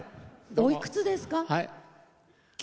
おいくつですか？